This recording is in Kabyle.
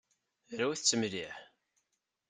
Rwit-tt mliḥ.